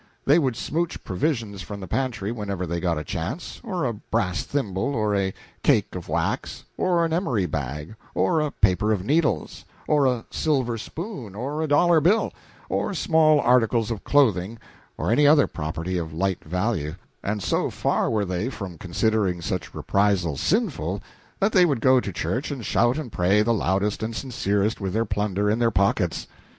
They would smouch provisions from the pantry whenever they got a chance; or a brass thimble, or a cake of wax, or an emery bag, or a paper of needles, or a silver spoon, or a dollar bill, or small articles of clothing, or any other property of light value; and so far were they from considering such reprisals sinful, that they would go to church and shout and pray the loudest and sincerest with their plunder in their pockets.